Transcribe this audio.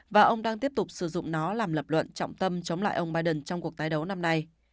và ông đang tiếp tục sử dụng nó làm lập luận trọng tâm chống lại ông biden trong cuộc tái đấu năm nay